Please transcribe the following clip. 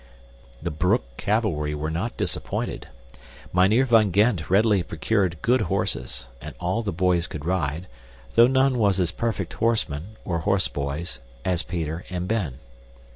The Broek Cavalry were not disappointed. Mynheer van Gend readily procured good horses; and all the boys could ride, though none was as perfect horsemen (or horseboys) as Peter and Ben.